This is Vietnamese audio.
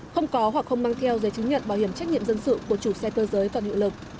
không có hoặc không mang theo giới chứng nhận bảo hiểm trách nhiệm dân sự của chủ xe cơ giới và nữ lực